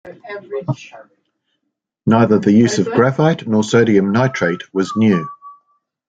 Neither the use of graphite nor sodium nitrate was new.